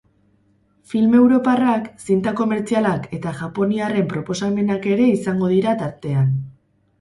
Film europarrak, zinta komertzialak eta japoniarren proposamenak ere izango dira tartean.